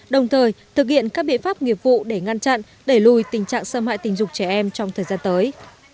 đồng thời thực hiện các biện pháp nghiệp vụ để ngăn chặn đẩy lùi tình trạng xâm hại tình dục trẻ em trong thời gian tới